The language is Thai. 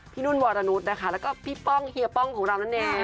พี่นุ่นวารณุษย์แล้วก็พี่ป้องเฮียป้องของเรานั้นแดง